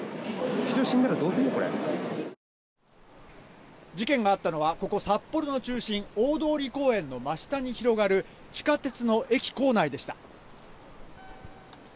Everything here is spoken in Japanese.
人が死んだらどうすんの、事件があったのは、ここ、札幌の中心、大通公園の真下に広がる、地下鉄の駅構内でした。